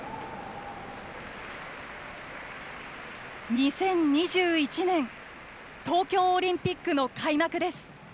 ２０２１年東京オリンピックの開幕です。